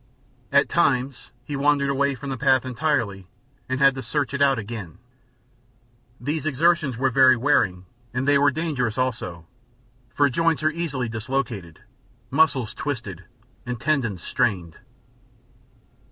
At times he wandered away from the path entirely and had to search it out again. These exertions were very wearing and they were dangerous, also, for joints are easily dislocated, muscles twisted, and tendons strained.